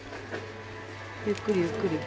ゆっくりゆっくり。